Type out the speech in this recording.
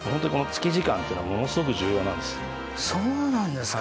そうなんですか。